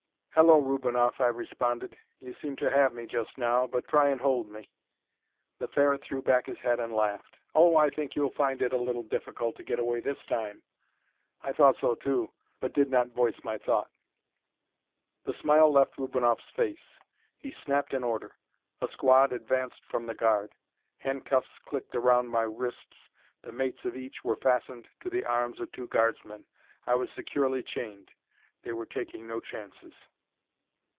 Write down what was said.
"Hello, Rubinoff," I responded. "You seem to have me, just now. But try and hold me." The Ferret threw back his head and laughed. "Oh, I think you'll find it a little difficult to get away this time." I thought so, too, but did not voice my thought. The smile left Rubinoff's face. He snapped an order. A squad advanced from the guard. Handcuffs clicked around my wrists, the mates of each were fastened to the arms of two guardsmen. I was securely chained. They were taking no chances.